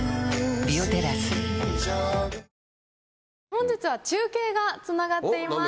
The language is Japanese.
本日は中継がつながっています。